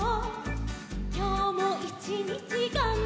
「きょうもいちにちがんばった」